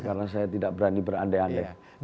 karena saya tidak berani berandai andai